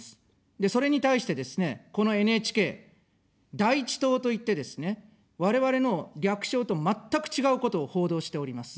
それに対してですね、このＮＨＫ、第一党と言ってですね、我々の略称と全く違うことを報道しております。